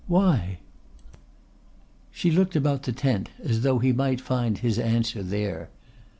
"Why?" She looked about the tent as though he might find his answer there.